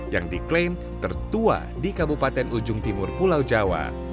yang diklaim tertua di kabupaten ujung timur pulau jawa